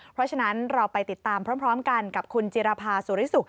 เพราะฉะนั้นเราไปติดตามพร้อมกันกับคุณจิรภาสุริสุข